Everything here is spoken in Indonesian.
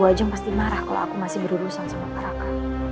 bu ajeng pasti marah kalau aku masih berurusan sama paraka